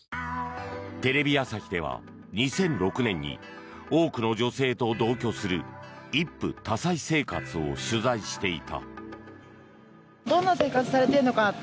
テレビ朝日では２００６年に多くの女性と同居する一夫多妻生活を取材していた。